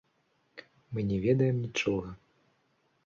Мы не ведаем, нічога.